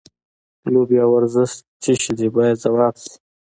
لوبې او ورزش څه شی دی باید ځواب شي.